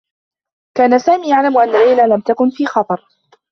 كان سامي يعلم أنّ ليلى لم تكن في خطر.